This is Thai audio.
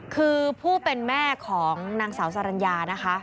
คือผู้เป็นแม่ของนางสาวสรรญานะคะ